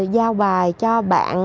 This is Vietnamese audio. giao bài cho bạn